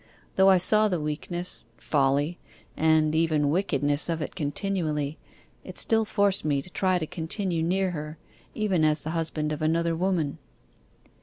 Though I saw the weakness, folly, and even wickedness of it continually, it still forced me to try to continue near her, even as the husband of another woman.